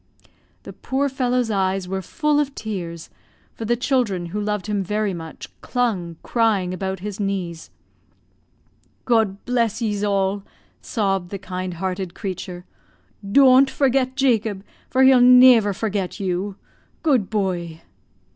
The poor fellow's eyes were full of tears, for the children, who loved him very much, clung, crying, about his knees. "God bless yees all," sobbed the kind hearted creature. "Doan't forget Jacob, for he'll neaver forget you. Good buoy!"